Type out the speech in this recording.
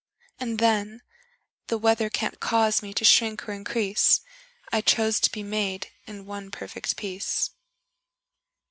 And, then, The weather can't cause me to shrink or increase: I chose to be made in one perfect piece!